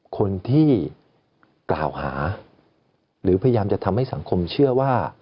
คนที่กล่าวหาหรือพยายามจะทำให้สังคมเชื่อว่า